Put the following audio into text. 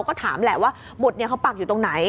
ก็ถามแหละว่าหมุดเนี่ยเขาปักอยู่ตรงไหน